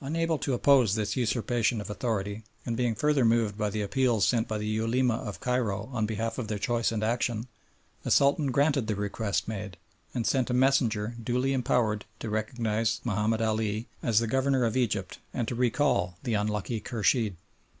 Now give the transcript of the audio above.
Unable to oppose this usurpation of authority, and being further moved by the appeals sent by the Ulema of Cairo on behalf of their choice and action, the Sultan granted the request made, and sent a messenger duly empowered to recognise Mahomed Ali as the Governor of Egypt and to recall the unlucky Khurshid.